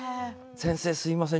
先生すみません